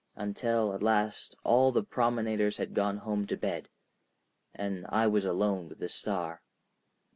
Until at last all the promenaders had gone home to bed, and I was alone with the star.